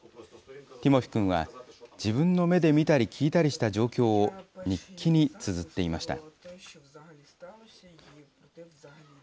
ティモフィ君は、自分の目で見たり聞いたりした状況を、日記につづっていました。